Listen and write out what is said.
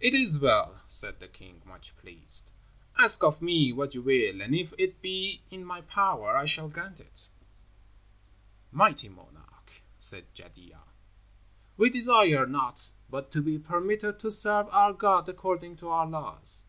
"It is well," said the king, much pleased; "ask of me what you will, and if it be in my power I shall grant it." "Mighty monarch," said Jadua, "we desire naught but to be permitted to serve our God according to our laws.